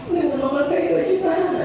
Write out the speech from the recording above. dengan memerkai perjutaan